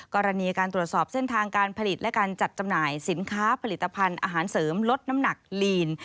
กรณีการตรวจสอบเส้นทางการผลิตและการจัดจำหน่ายสินค้าผลิตภัณฑ์อาหารเสริมลดน้ำหนักลีน